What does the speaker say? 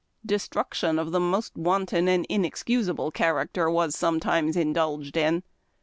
Destruction of the most wanton and inexcusable character was sometimes indulged in.